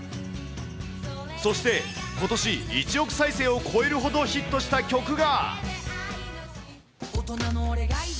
そして、ことし１億再生を超えるほどヒットした曲が。